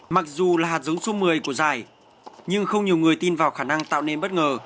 mặc dù là hạt giống số một mươi của giải nhưng không nhiều người tin vào khả năng tạo nên bất ngờ